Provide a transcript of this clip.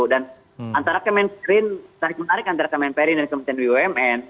dan antara kemenperin menarik menarik antara kemenperin dan kementerian bumn